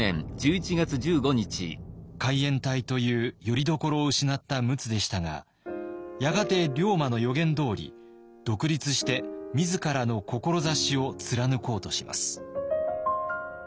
海援隊というよりどころを失った陸奥でしたがやがて龍馬の予言どおり独立して自らの志を貫こうとします。